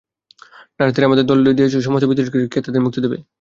নার্সদের আমার দল নিয়ে যাচ্ছে, সমস্ত বিদেশিদেরকেও, কে তাদের মুক্তি দেবে?